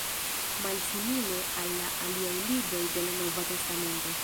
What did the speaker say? Malsimile al la aliaj libroj de la Nova testamento.